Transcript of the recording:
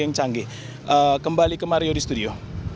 yang canggih kembali ke mario di studio